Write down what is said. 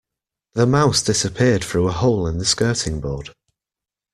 The mouse disappeared through a hole in the skirting board